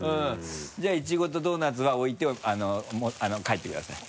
じゃあイチゴとドーナツは置いて帰ってください。